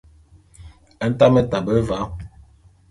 Ntame tabe va.